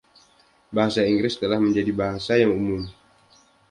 Bahasa Inggris telah menjadi bahasa yang umum.